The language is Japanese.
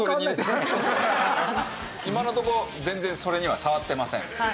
今のとこ全然それには触ってません。